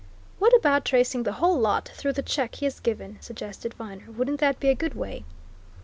"What about tracing the whole lot through the check he has given?" suggested Viner. "Wouldn't that be a good way?"